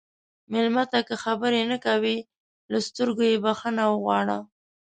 مېلمه ته که خبرې نه کوي، له سترګو یې بخښنه وغواړه.